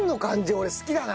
俺好きだな。